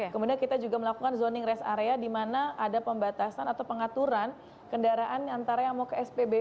kemudian kita juga melakukan zoning rest area di mana ada pembatasan atau pengaturan kendaraan antara yang mau ke spbu